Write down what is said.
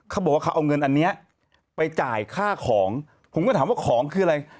เขาบอกว่าเขาเอาเงินอันนี้ไปจ่ายค่าของผมก็ถามว่าของคืออะไร